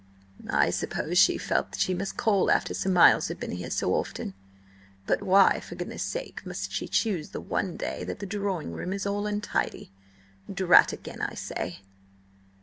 "I suppose she felt she must call after Sir Miles had been here so often. But why, for goodness' sake, must she choose the one day that the drawing room is all untidy? Drat again, I say!"